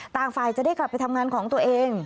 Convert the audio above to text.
ฝ่ายจะได้กลับไปทำงานของตัวเอง